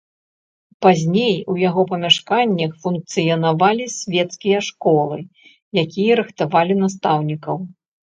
Пазней у яго памяшканнях функцыянавалі свецкія школы, якія рыхтавалі настаўнікаў.